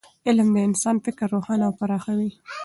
علم د انسان فکر روښانه او پراخوي.